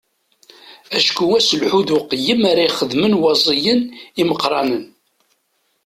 Acku aselḥu d uqeyyem ara xedmen waẓiyen imeqqranen.